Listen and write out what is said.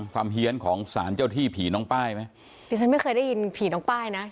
เฮียนของสารเจ้าที่ผีน้องป้ายไหมดิฉันไม่เคยได้ยินผีน้องป้ายนะ